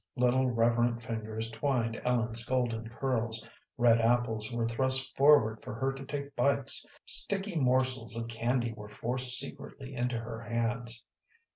Little reverent fingers twined Ellen's golden curls, red apples were thrust forward for her to take bites, sticky morsels of candy were forced secretly into her hands.